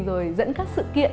rồi dẫn các sự kiện